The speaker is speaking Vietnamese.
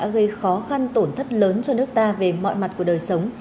gây khó khăn tổn thất lớn cho nước ta về mọi mặt của đời sống